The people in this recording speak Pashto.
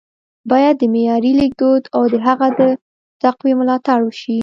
ـ بايد د معیاري لیکدود او د هغه د تقويې ملاتړ وشي